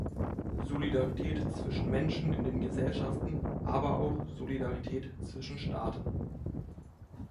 Solidarität zwischen Menschen in den Gesellschaften, aber auch Solidarität zwischen Staaten.